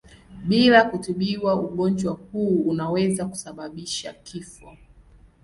Bila kutibiwa ugonjwa huu unaweza kusababisha kifo.